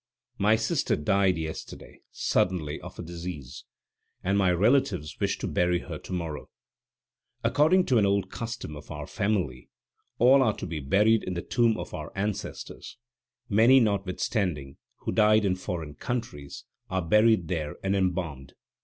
My sister died yesterday suddenly of a disease, and my relatives wish to bury her to morrow. According to an old custom of our family all are to be buried in the tomb of our ancestors; many, notwithstanding, who died in foreign countries are buried there and embalmed.